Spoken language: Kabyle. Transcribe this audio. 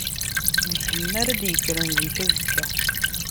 D kemm ara d-yekkren zik azekka.